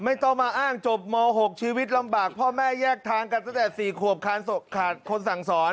ไม่ต้องมาอ้างจบม๖ชีวิตลำบากพ่อแม่แยกทางกันตั้งแต่๔ขวบขาดคนสั่งสอน